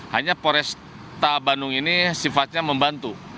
hanya poresta bandung ini sifatnya membantu